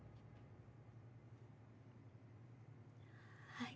はい。